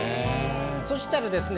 そしたらですね